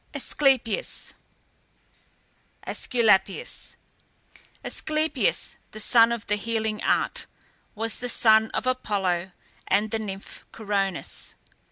ASCLEPIAS (ÆSCULAPIUS). Asclepias, the god of the healing art, was the son of Apollo and the nymph Coronis.